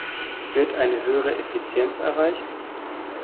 Wird eine höhere Effizienz erreicht?